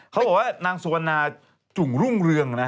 เขาบอกว่านางสุวรรณาจุ่งรุ่งเรืองนะ